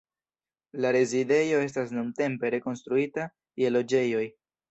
La rezidejo estas nuntempe rekonstruita je loĝejoj.